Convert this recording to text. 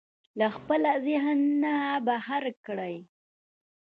له خپله ذهنه بهر کړئ.